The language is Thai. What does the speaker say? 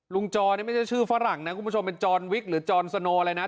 จอนี่ไม่ใช่ชื่อฝรั่งนะคุณผู้ชมเป็นจอนวิกหรือจอนสโนอะไรนะ